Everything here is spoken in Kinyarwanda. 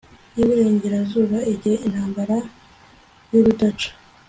y iburengerazuba igihe intambara yurudaca